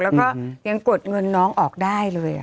แล้วก็ยังกดเงินน้องออกได้เลย